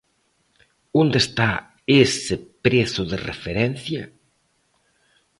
¿Onde está ese prezo de referencia?